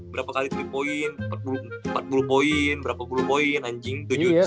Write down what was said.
berapa kali tiga point empat puluh poin berapa puluh poin anjing tujuh